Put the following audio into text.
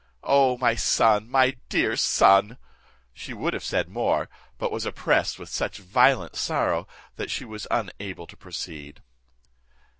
O my son, my dear son!" She would have said more, but was oppressed with such violent sorrow that she was unable to proceed.